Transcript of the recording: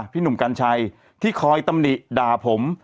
พี่หนุ่มกัญชัยที่คอยตำหนิด่าผม